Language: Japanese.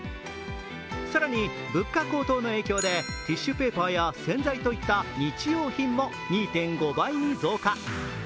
更に物価高騰の影響でティッシュペーパーや洗剤といった日用品も２．５倍に増加。